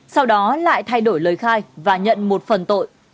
sau đó lại thay đổi lời khai và nhận một phần tội